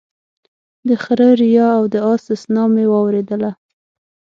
د خره ريا او د اس سسنا مې واورېدله